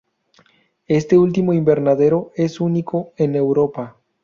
Este último invernadero es único en Europa.